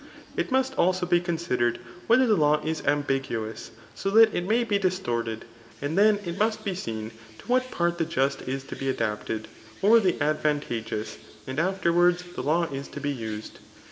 It must also be considered, whether the law is amlnguous^ so that it may be distorted, and then it must be seen to what part the just is to be adapted, or the advantageous^ and afterwards the law is to be used.